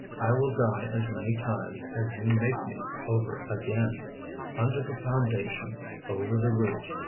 I will die as many times as you make me over again." Under the foundations, Over the roofs.